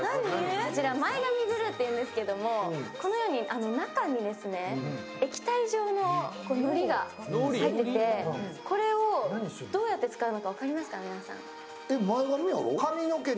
こちら前髪グルーというんですけれども、このように中に液体状ののりが入っててこれをどうやって使うか分かりますか？